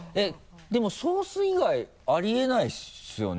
でもソース以外あり得ないですよね？